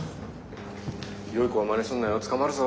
よい子はまねすんなよ捕まるぞ。